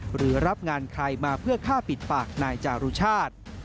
หรือรับงานใครมาเพื่อฆ่าปิดปากนายจารุชาติ